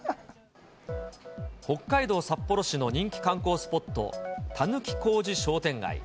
北海道札幌市の人気観光スポット、狸小路商店街。